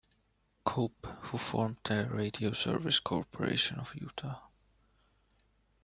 Cope, who formed the Radio Service Corporation of Utah.